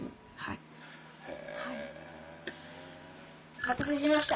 お待たせしました。